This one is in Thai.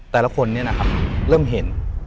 แต่ละคนนี้นะครับ